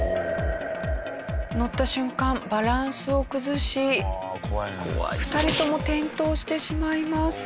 乗った瞬間バランスを崩し２人とも転倒してしまいます。